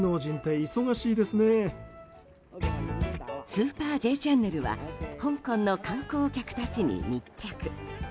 「スーパーＪチャンネル」は香港の観光客たちに密着。